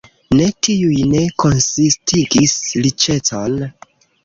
Ne, tiuj ne konsistigis riĉecon.